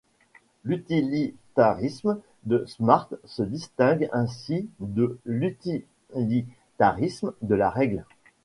L'utilitarisme de Smart se distingue ainsi de l'utilitarisme de la règle.